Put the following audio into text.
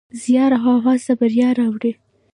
زیار او هڅه بریا راوړي.